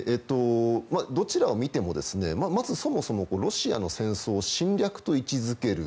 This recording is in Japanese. どちらを見ても、まずそもそもロシアの戦争を侵略と位置付ける。